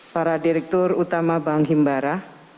para direktur utama bank himbara